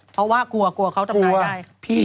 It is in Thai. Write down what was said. เพราะว่ากลัวเกลียดเขาทำนายได้